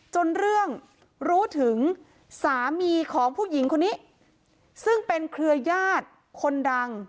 จนเรื่องรู้ถึงสามีของผู้หญิงคนนี้ซึ่งเป็นเครือญาติคนดัง